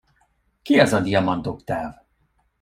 Ki az a Diamant Oktáv?